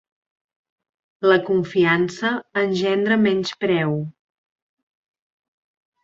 La confiança engendra menyspreu.